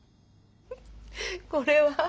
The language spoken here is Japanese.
これは？